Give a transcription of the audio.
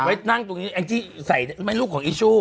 ไว้นั่งตรงนี้แองจี้ใส่แม่ลูกของอีชู